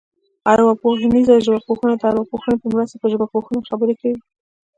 ارواپوهنیزه ژبپوهنه د ارواپوهنې په مرسته پر ژبپوهنه خبرې کوي